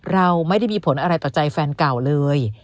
เราไม่ได้มีผลอะไรต่อใจแฟนเก่าเลย